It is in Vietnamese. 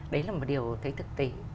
đấy là một điều thấy thực tế